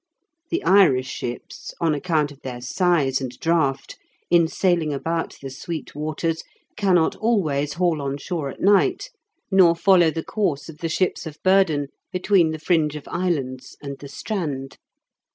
The Irish ships, on account of their size and draught, in sailing about the sweet waters, cannot always haul on shore at night, nor follow the course of the ships of burden between the fringe of islands and the strand.